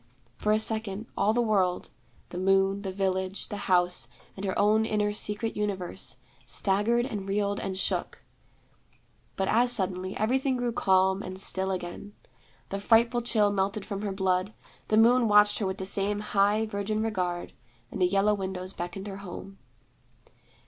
For a second, all the world the moon, the village, the house, and her own inner secret universe staggered and reeled and shook. But as suddenly, everything grew calm and still again. The frightful chill melted from her blood; the moon watched her with the same high virgin regard, and the yellow windows beckoned her home.